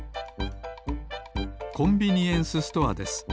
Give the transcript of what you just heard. コンビニエンスストアです。